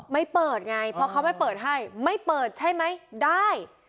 ไม่เปิดไงเพราะเขาไม่เปิดให้ไม่เปิดใช่ไหมได้